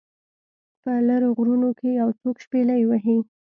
په لیرو غرونو کې یو څوک شپیلۍ وهي